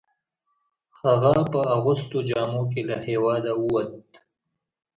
هغه په اغوستو جامو کې له هیواده وووت.